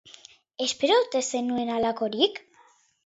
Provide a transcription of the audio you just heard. Espero ote zenuen halakorik?